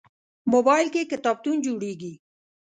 موبایل کې کتابتون جوړېږي.